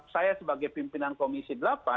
saya sebagai pimpinan komisi delapan